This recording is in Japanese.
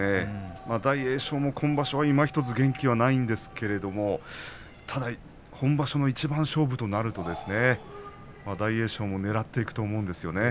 大栄翔も今場所いまひとつ元気がないんですけれどただ、本場所の一番勝負となると大栄翔も狙っていくと思うんですよね。